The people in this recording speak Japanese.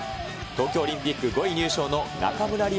東京オリンピック５位入賞の中村輪